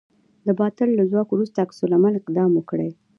د باطل له ځواک وروسته عکس العملي اقدام وکړئ.